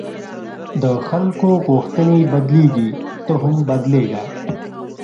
د خلکو غوښتنې بدلېږي، ته هم بدلېږه.